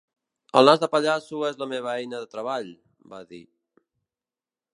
El nas de pallasso és la meva eina de treball, va dir.